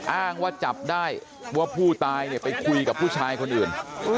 อ้างว่าจับได้ว่าผู้ตายเนี่ยไปคุยกับผู้ชายคนอื่น